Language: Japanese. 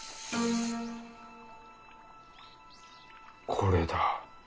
これだ。